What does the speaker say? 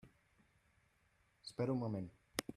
Espera un moment.